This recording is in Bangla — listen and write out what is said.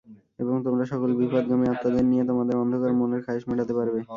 এবং তোমরা সকল বিপথগামী আত্মাদের নিয়ে তোমাদের অন্ধকার মনের খায়েশ মেটাতে পারবে।